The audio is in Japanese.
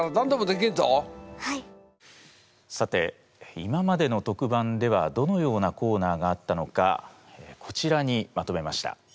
さて今までの特番ではどのようなコーナーがあったのかこちらにまとめました。